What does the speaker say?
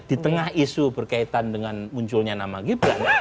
di tengah isu berkaitan dengan munculnya nama gibran